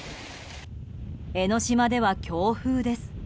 江の島では強風です。